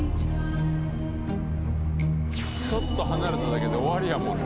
ちょっと離れただけで終わりやもんな。